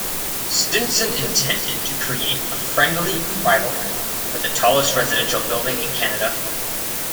Stinson intended to create a friendly rivalry for the tallest residential building in Canada.